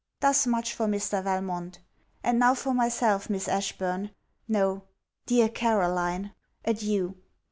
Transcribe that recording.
Thus much for Mr. Valmont. And now for myself, Miss Ashburn; no, dear Caroline, adieu!